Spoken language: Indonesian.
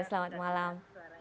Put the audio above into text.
oke selamat malam